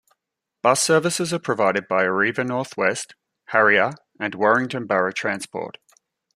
Bus services are provided by Arriva North West, Harrier and Warrington Borough Transport.